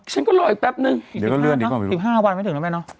สิบห้าวันไม่ถึงแล้วเลยนะ